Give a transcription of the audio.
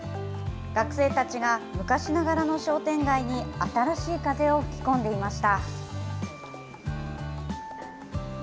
学生たちが昔ながらの商店街に新しい風を吹き込んでいました。